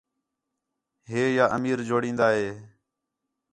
ہِے یا امیر چوڑین٘دا ہِے